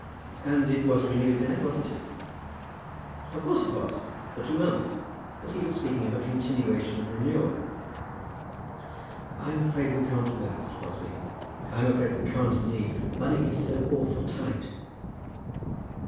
"And it was renewed then; wasn't it?" "Of course it was, for two months. But he was speaking of a continuation of renewal." "I'm afraid we can't do it, Mr. Crosbie. I'm afraid we can't, indeed. Money is so awful tight."